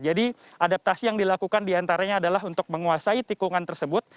jadi adaptasi yang dilakukan diantaranya adalah untuk menguasai tikungan tersebut